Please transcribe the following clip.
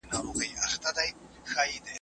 که انار تروه وي نو د هضم لپاره خورا ښه دي.